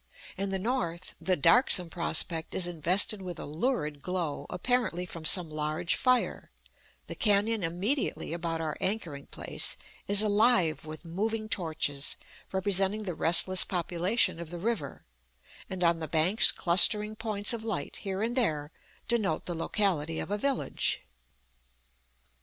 In the north, the darksome prospect is invested with a lurid glow, apparently from some large fire; the canon immediately about our anchoring place is alive with moving torches, representing the restless population of the river, and on the banks clustering points of light here and there denote the locality of a village.